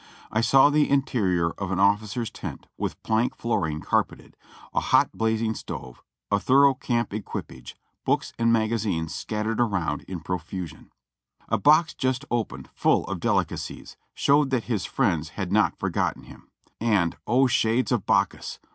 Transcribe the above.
I saw the interior of an officer's tent with plank flooring carpeted, a hot blazing stove, a thorough camp equipage, books and magazines scattered around in pro fusion, A box just opened, full of delicacies, showed that his friends had not forgotten him ; and O Shades of Bacchus